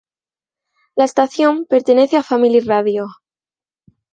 La estación pertenece a Family Radio.